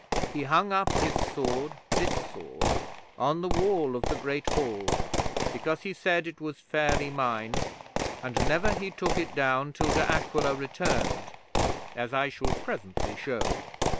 'He hung up his sword this sword on the wall of the Great Hall, because he said it was fairly mine, and never he took it down till De Aquila returned, as I shall presently show.